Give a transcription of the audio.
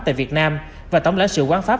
tại việt nam và tổng lãnh sự quán pháp